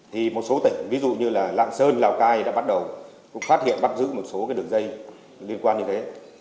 thì một số tỉnh ví dụ như là lạng sơn lào cai đã bắt đầu cũng phát hiện bắt giữ một số cái đường dây liên quan như thế